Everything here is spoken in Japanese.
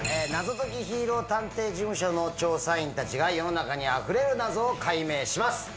謎ときヒーロー探偵事務所の調査員達が世の中にあふれる謎を解明します